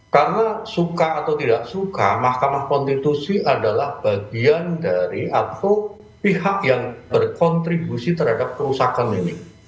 karena suka atau tidak suka mahkamah konstitusi adalah bagian dari atau pihak yang berkontribusi terhadap kerusakan ini